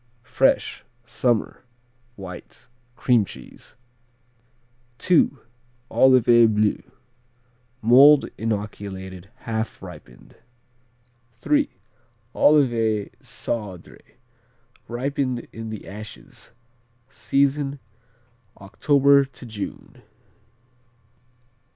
Fresh; summer, white; cream cheese. II. Olivet Bleu mold inoculated; half ripened. III. Olivet Cendré, ripened in the ashes. Season, October to June.